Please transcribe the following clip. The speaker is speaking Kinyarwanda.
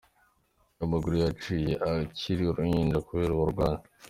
Amaguru ye yaciwe akiri uruhinja kubera uburwayi.